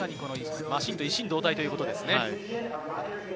マシンと一心同体ということですね。